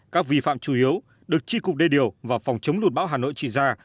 các vi phạm chủ yếu được tri cục đê điều và phòng chống lụt bão hà nội chỉ ra